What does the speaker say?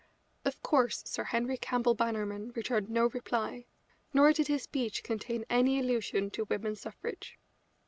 Of course Sir Henry Campbell Bannerman returned no reply, nor did his speech contain any allusion to women's suffrage.